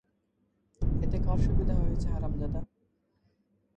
এতে কার সুবিধা হয়েছে, হারামজাদা?